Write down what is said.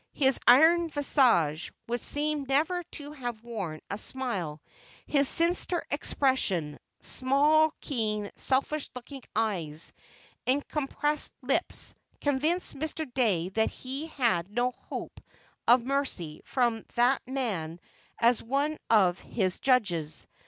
His iron visage, which seemed never to have worn a smile, his sinister expression, small, keen, selfish looking eyes, and compressed lips, convinced Mr. Dey that he had no hope of mercy from that man as one of his judges.